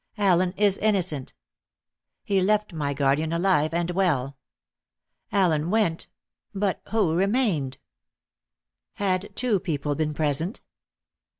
Allen is innocent! He left my guardian alive and well. Allen went but who remained?" Had two people been present?